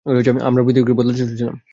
আমরা পৃথিবীকে বদলাতে চলেছিলাম।